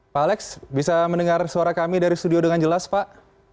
pak alex bisa mendengar suara kami dari studio dengan jelas pak